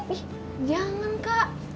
ih jangan kak